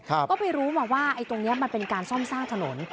ก็ไปรู้มาว่าไอ้ตรงเนี้ยมันเป็นการซ่อมสร้างถนน